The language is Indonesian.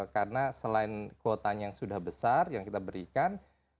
karena selain kuotanya yang sudah besar yang kita berikan